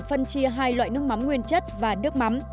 phân chia hai loại nước mắm nguyên chất và nước mắm